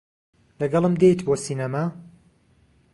لەگەڵم دێیت بۆ سینەما؟